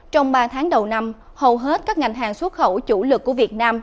trong ba tháng đầu năm hầu hết các ngành hàng xuất khẩu chủ lực của việt nam